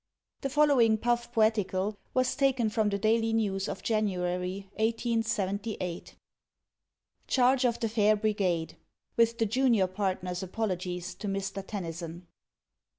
The following Puff Poetical was taken from the Daily News of January, 1878 :— Charge of the Fair Brigade. With the Junior Partner's Apologies to Mr. Tennyson.